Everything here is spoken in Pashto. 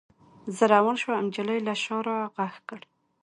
زه روان شوم او نجلۍ له شا را غږ کړ